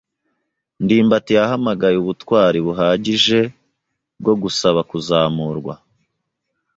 ndimbati yahamagaye ubutwari buhagije bwo gusaba kuzamurwa.